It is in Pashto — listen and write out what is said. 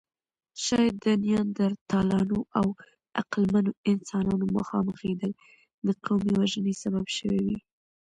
شاید د نیاندرتالانو او عقلمنو انسانانو مخامخېدل د قومي وژنې سبب شوې وي.